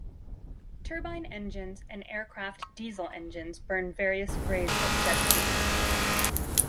Turbine engines and aircraft Diesel engines burn various grades of jet fuel.